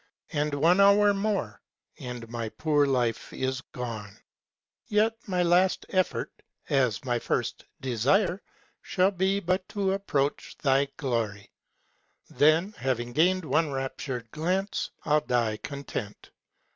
And one hour more — and my poor life is gone; Yet my last effort, as my first desire, shall be But to approach thy glory; then, having gained One raptured glance, I'll die content.